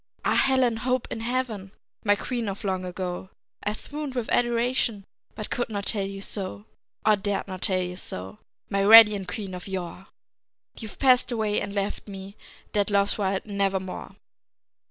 Ah, Helen Hope in heaven, My queen of long ago, I've swooned with adoration, But could not tell you so, Or dared not tell you so, My radiant queen of yore! And you've passed away and left me Dead Love's wild Nevermore!